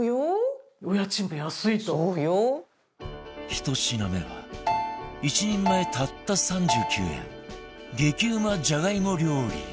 １品目は１人前たった３９円激うまじゃがいも料理